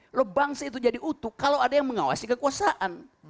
kalau bangsa itu jadi utuh kalau ada yang mengawasi kekuasaan